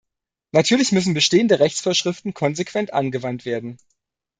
Natürlich müssen bestehende Rechtsvorschriften konsequent angewandt werden.